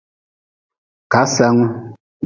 Kasangu.